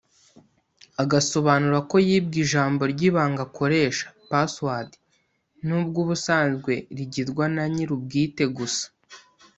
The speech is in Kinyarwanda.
agasobanura ko yibwe ijambo ry’ibanga akoresha (password) n’ubwo ubusanzwe rigirwa na nyir’ubwite gusa